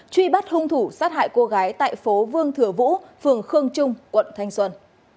truy bắt hung thủ sát hại cô gái tại phố vương thừa vũ phường khương trung quận thanh xuân